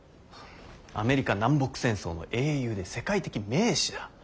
アメリカ南北戦争の英雄で世界的名士だ。